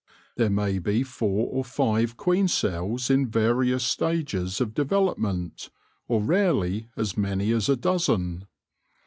There may be four or five queen cells in various stages of development, or rarely as many as a dozen.